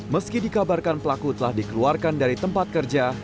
meski dikabarkan pelaku telah dikeluarkan dari tempat kerja